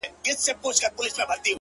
• په ککړو په مستیو په نارو سوه ,